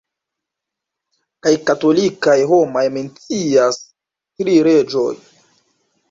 Kaj katolikaj homaj mencias "tri reĝoj".